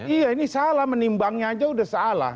iya ini salah menimbangnya aja udah salah